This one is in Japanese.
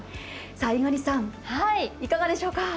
猪狩さん、いかがでしょうか。